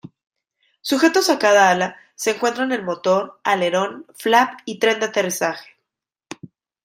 Sujetos a cada ala se encuentran el motor, alerón, flap y tren de aterrizaje.